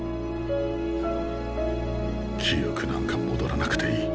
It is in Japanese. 記憶なんか戻らなくていい。